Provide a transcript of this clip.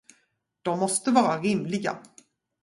De måste vara rimliga.